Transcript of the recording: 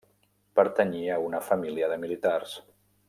Pertanyia a una família de militars.